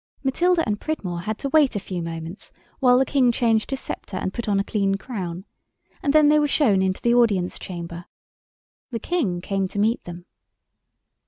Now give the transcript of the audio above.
Matilda and Pridmore had to wait a few moments while the King changed his sceptre and put on a clean crown, and then they were shown into the Audience Chamber. The King came to meet them.